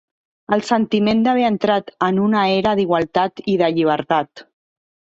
El sentiment d'haver entrat en una era d'igualtat i de llibertat.